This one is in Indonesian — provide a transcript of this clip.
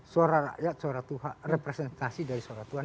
suara rakyat suara tuhan representasi dari suara tuhan